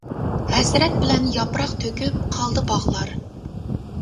ھەسرەت بىلەن ياپراق تۆكۈپ قالدى باغلار.